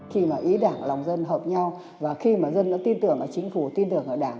khi mà ý đảng lòng dân hợp nhau và khi mà dân đã tin tưởng là chính phủ tin tưởng ở đảng